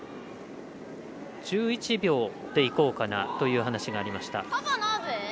１１秒でいこうかなという話がありました。